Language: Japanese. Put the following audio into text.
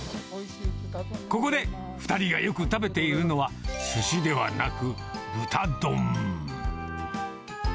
ここで２人がよく食べているのは、すしではなく、豚丼。